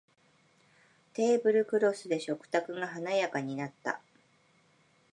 テーブルクロスで食卓が華やかになった